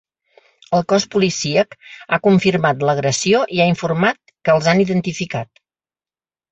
El cos policíac ha confirmat l’agressió i ha informat que els han identificat.